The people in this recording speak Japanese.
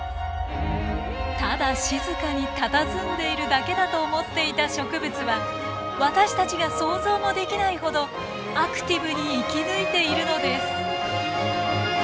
ただ静かにたたずんでいるだけだと思っていた植物は私たちが想像もできないほどアクティブに生き抜いているのです。